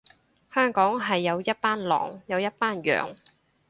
香港係有一班狼，有一班羊